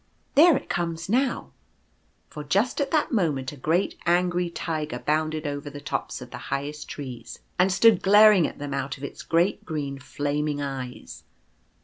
There it comes now \' for just at that moment a great angry Tiger bounded over the tops of the highest trees, and stood glaring at them out of its great green flaming eyes.